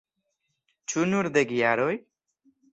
Ĉu nur dek jaroj?